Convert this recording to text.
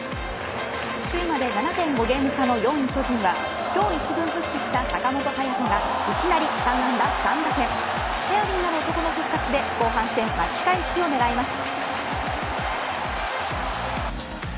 首位まで７．５ゲーム差の４位、巨人は今日一軍復帰した坂本勇人がいきなり３安打３打点頼りになる男の復活で後半戦、巻き返しを狙います。